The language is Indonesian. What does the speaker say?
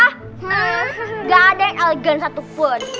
tidak ada yang elegan satupun